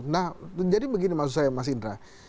nah jadi begini maksud saya mas indra